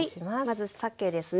まずさけですね。